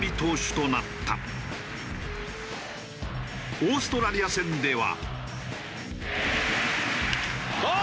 オーストラリア戦では。